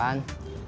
untuk suatu jakie